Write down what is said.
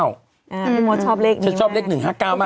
อ่าพี่มดชอบเลขนี้มากชอบเลขหนึ่งห้าเก้ามาก